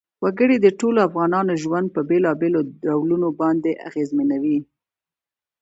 وګړي د ټولو افغانانو ژوند په بېلابېلو ډولونو باندې اغېزمنوي.